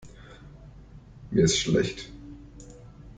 Mir ist schlecht.